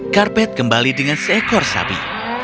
karpet kembali dengan seekor sapi